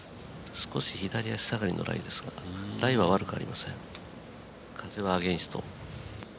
少し左足下がりからですからライは悪くありません風はアゲンスト。